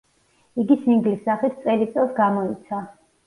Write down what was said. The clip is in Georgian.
იგი სინგლის სახით წელი წელს გამოიცა.